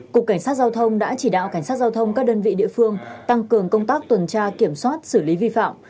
cục cảnh sát giao thông đã chỉ đạo cảnh sát giao thông các đơn vị địa phương tăng cường công tác tuần tra kiểm soát xử lý vi phạm